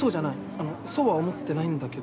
あのそうは思ってないんだけど。